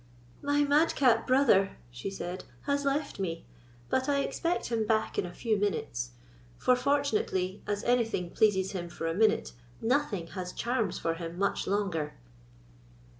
"My madcap brother," she said, "has left me, but I expect him back in a few minutes; for, fortunately, as anything pleases him for a minute, nothing has charms for him much longer."